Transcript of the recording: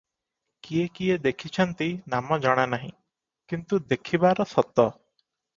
କିଏ କିଏ ଦେଖିଛନ୍ତି, ନାମ ଜଣା ନାହିଁ, କିନ୍ତୁ ଦେଖିବାର ସତ ।